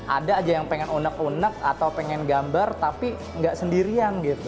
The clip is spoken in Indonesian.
ada aja yang pengen unek unek atau pengen gambar tapi nggak sendirian gitu